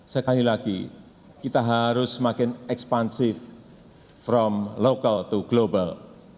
sekali lagi kita harus semakin ekspansif from local to global